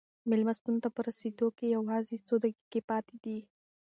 مېلمستون ته په رسېدو کې یوازې څو دقیقې پاتې دي.